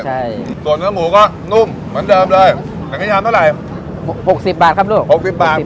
ใช่ส่วนเนื้อหมูก็นุ่มเหมือนเดิมเลยแข่งขี้ยามเท่าไหร่๖๐บาทครับลูก๖๐บาท